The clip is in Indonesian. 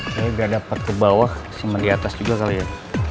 kayaknya udah dapet ke bawah cuma di atas juga kali ya